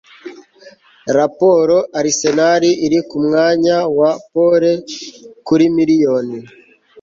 Raporo Arsenal iri kumwanya wa pole kuri miliyoni